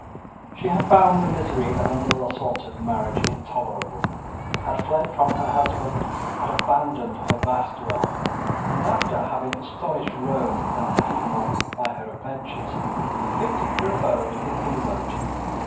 She had found the misery of an ill assorted marriage intolerable, had fled from her husband, had abandoned her vast wealth, and, after having astonished Rome and Piedmont by her adventures, had fixed her abode in England.